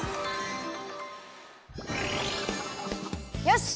よし！